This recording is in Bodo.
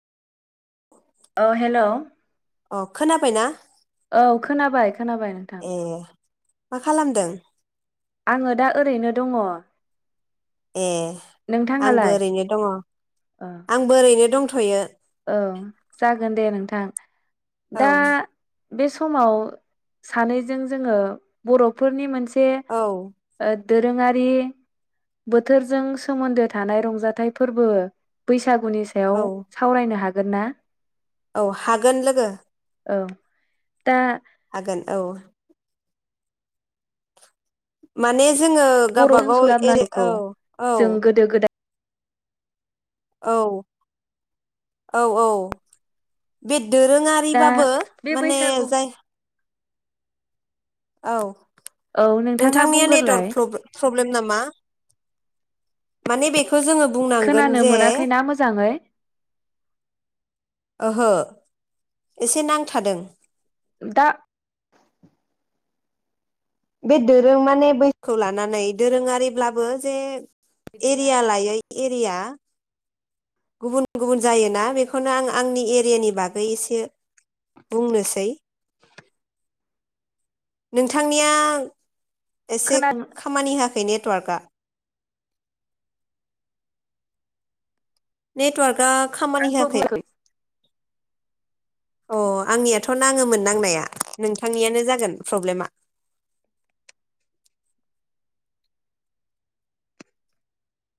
औ औ हेलौ अ खोनाबायना? औ खोनाबाय। खोनाबाय नोंथां ए मा खालामदों आङो दा ओरैनो दङ। ए आंबो नोंथाङालाय ओरैनो दङ ओ आंबो ओरैनो दंथ थयो। थां औ दा बे समाव सानैजों जोङो बर'फोरनि मोनस से औ ओ दोरोङारि बोथोरजों सोमोन्दो थानाय रंजाथाइ फोरबो बैसाग बैसागुनि सायाव औ नायनो हागोन ना? औ हागोन लोगो। औ दा हागोन औ। माने जोङो बर'जों गावबागाव एरे सरजाबनांगौखौ औ औ। जों गोदो गोदाय औ औ औ बे दा दोरोङारिबाबो बे माने बैसागु जाय औ। औ नोंथाङा नोंथांनिया बुंग्रोलाय नेटवर्क प्र-प्रब्लेम नामा? माने बे खौ जोङो बुंनांगोन खोनानो जे मोनाखैना मोजाङै ओहो एसे नांथादों। दा बे दोरों माने बैखौ लानानै दोरोङारिब्लाबो जे हैदोंना? एरिया लायै एरिया गुबुन गुबुन जायोना बेखौनो आं आंनि एरियानि बागै एसे बुंनोसै। नोंथांनिया एसे खोनादों खामानि होयाखै नेट वर्क आ नेटवर्कआ खामानि आंबो होयाखै बुङाखै अ आंनियाथ नाङोमोन नांनाया नोंथांनियानो जागोन प्रब्लेमा